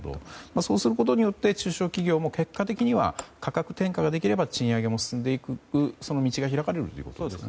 そうすることによって中小企業も価格転嫁ができれば賃上げにもつながっていくその道が開かれるということですね。